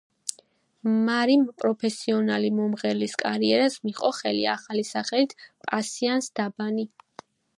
მარიმ პროფესიონალი მომღერლის კარიერას მიჰყო ხელი ახალი სახელით—პასიანს დაბანი.